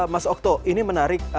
mas okto ini menarik